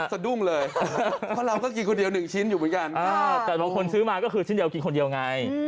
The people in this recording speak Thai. สะดุ้งเลยเพราะเราก็กินคนเดียว๑ชิ้นอยู่เหมือนกันแต่บางคนซื้อมาก็คือชิ้นเดียวกินคนเดียวไง